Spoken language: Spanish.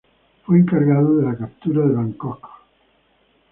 Fue encargado de la captura de Bangkok.